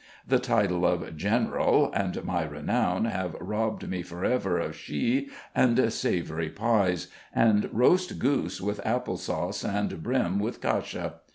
The title of General and my renown have robbed me for ever of schi and savoury pies, and roast goose with apple sauce, and bream with _kasha.